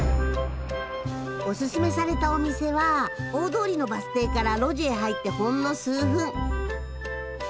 おススメされたお店は大通りのバス停から路地へ入ってほんの数分。